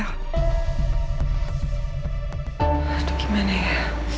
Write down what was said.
aduh gimana ya